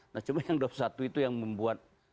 nah cuma yang dua puluh satu itu yang membuat